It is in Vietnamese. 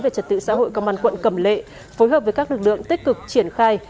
về trật tự xã hội công an quận cầm lệ phối hợp với các lực lượng tích cực triển khai